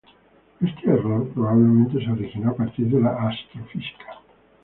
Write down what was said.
Este error probablemente se originó a partir de la astrofísica.